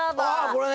これね